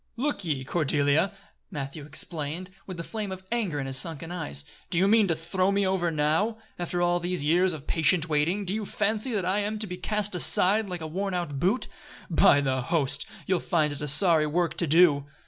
"Look ye, Cordelia!" Matthew exclaimed, with the flame of anger in his sunken eyes, "do you mean to throw me over now? After all these years of patient waiting, do you fancy that I am to be cast aside, like a worn out boot? By the Host! you'll find it a sorry work to do."